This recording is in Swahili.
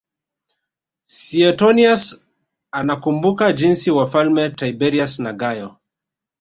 Suetonius anakumbuka jinsi Wafalme Tiberius na Gayo